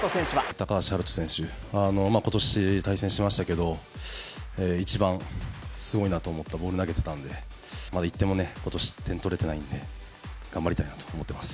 高橋遙人選手、ことし対戦しましたけど、一番すごいなと思ったボール投げてたんで、まだ１点もね、ことし、点取れてないんで、頑張りたいなと思ってます。